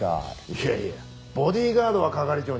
いやいやボディーガードは係長には似合わねえ。